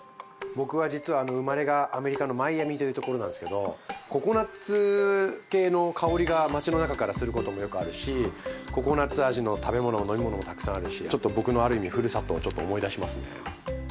僕は実は生まれがアメリカのマイアミというところなんですけどココナツ系の香りが街の中からすることもよくあるしココナツ味の食べ物飲み物もたくさんあるしちょっと僕のある意味ふるさとをちょっと思い出しますね。